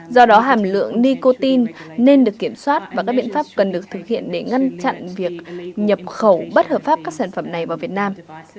do đó hàm lượng nicotine nên được kiểm soát và các biện pháp cần được thực hiện để ngăn chặn việc nhập khẩu bất hợp pháp các sản phẩm này vào việt nam